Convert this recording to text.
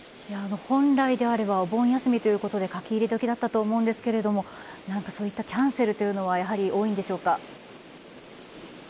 本来であればお盆休みということで書き入れ時だったと思うんですがそういったキャンセルというのは多いんでしょうか？